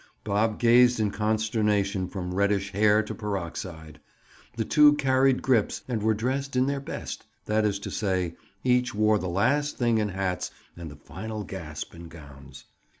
Bob gazed in consternation from reddish hair to peroxide. The two carried grips and were dressed in their best—that is to say, each wore the last thing in hats and the final gasp in gowns.